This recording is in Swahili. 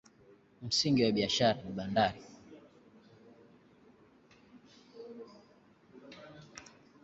Msingi wa biashara ni bandari.